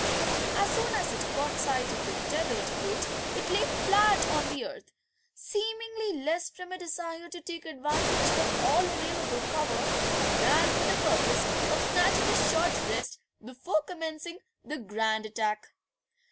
As soon as it caught sight of the tethered goat it lay flat on the earth, seemingly less from a desire to take advantage of all available cover than for the purpose of snatching a short rest before commencing the grand attack.